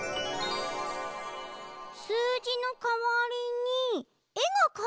すうじのかわりにえがかいてある。